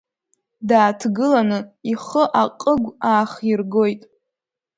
Дааҭгыланы ихы аҟыгә аахиргоит.